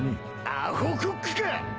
アホコックか！